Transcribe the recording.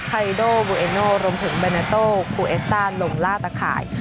ไนโดบูเอโนรวมถึงแบโตคูเอสต้าลงล่าตะข่าย